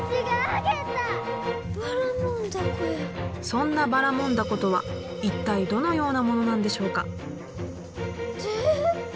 そんなばらもん凧とは一体どのようなものなんでしょうか？